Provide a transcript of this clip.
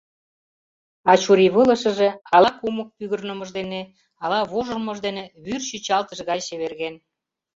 А чурийвылышыже ала кумык пӱгырнымыж дене, ала вожылмыж дене вӱр чӱчалтыш гай чеверген.